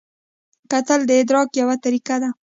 کتل د ادراک یوه طریقه ده